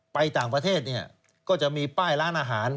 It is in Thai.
ไปต่างประเทศเนี่ยก็จะมีป้ายร้านอาหาร